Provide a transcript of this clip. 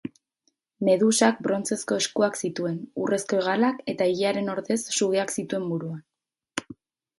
Medusak brontzezko eskuak zituen, urrezko hegalak eta ilearen ordez sugeak zituen buruan.